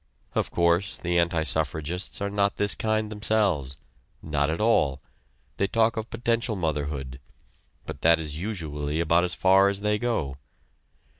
Of course, the anti suffragists are not this kind themselves. Not at all. They talk of potential motherhood but that is usually about as far as they go.